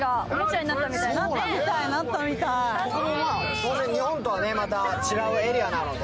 ここは当然日本とは違うエリアなので。